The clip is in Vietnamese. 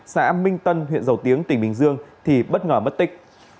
xã minh tân huyện dầu tiếng tỉnh bình dương thì bất ngờ mất tích